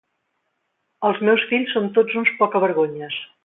Els meus fills són tots uns pocavergonyes.